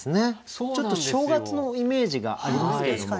ちょっと正月のイメージがありますけれども。